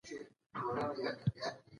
زه له ډېر پخوا راهیسې پر دي دنده یم.